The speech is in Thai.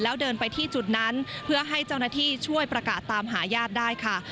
แล้วเดินไปที่จุดนั้นเพื่อให้เจ้าหน้าที่ช่วยประกาศตามหาญาติได้ค่ะ